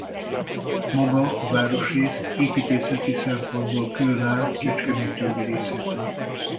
Maga a városrész építészeti szempontból külön áll Kecskemét többi részétől.